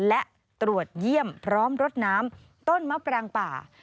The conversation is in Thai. และตรวจเยี่ยมพร้อมรดน้ำต้นมะปรางป่า